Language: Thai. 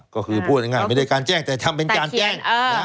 ก็คือพูดง่ายไม่ได้การแจ้งแต่ทำเป็นการแจ้ง